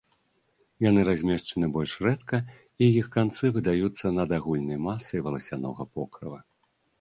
Яны размешчаны больш рэдка, і іх канцы выдаюцца над агульнай масай валасянога покрыва.